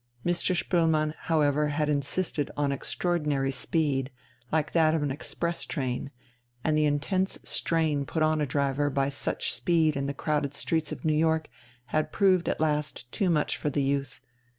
Mr. Spoelmann, however, had insisted on extraordinary speed, like that of an express train, and the intense strain put upon a driver by such speed in the crowded streets of New York had proved at last too much for the youth.